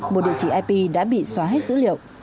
một địa chỉ ip đã bị xóa hết dữ liệu